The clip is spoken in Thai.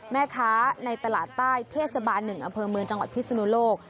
แม่ค้าในตลาดใต้เทศบาล๑อำเภอเมืองจังหวัดพิศนุโลก